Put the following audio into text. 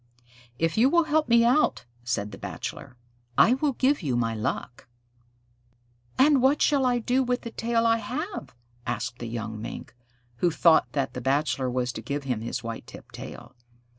"If you will help me out," said the Bachelor, "I will give you my luck." "And what shall I do with the tail I have?" asked the young Mink, who thought that the Bachelor was to give him his white tipped tail.